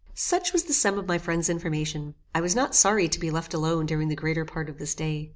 Such was the sum of my friend's information. I was not sorry to be left alone during the greater part of this day.